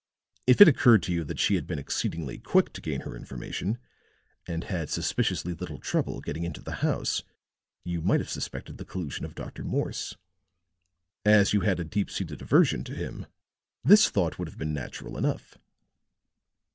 If it occurred to you that she had been exceedingly quick to gain her information, and had suspiciously little trouble getting into the house, you might have suspected the collusion of Dr. Morse. As you had a deep seated aversion to him, this thought would have been natural enough."